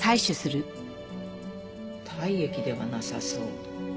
体液ではなさそう。